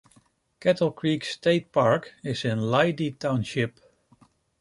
Kettle Creek State Park is in Leidy Township.